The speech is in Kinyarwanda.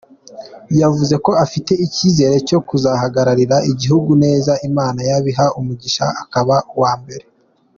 Yavuze ko afite icyizere cyo kuzahagararira igihugu neza Imana yabiha umugisha akaba uwa mbere.